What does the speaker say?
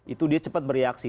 itu dia cepat bereaksi